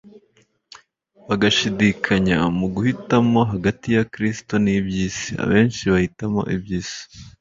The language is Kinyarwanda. bagashidikanya mu guhitamo hagati ya Kristo n'iby'isi, abenshi bahitamo iby'isi.